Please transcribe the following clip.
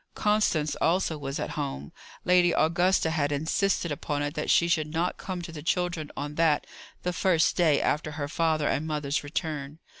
Constance also was at home. Lady Augusta had insisted upon it that she should not come to the children on that, the first day after her father and mother's return.